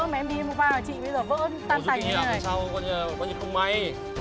mà em đi em và bà chị bây giờ vỡ tan thành như thế này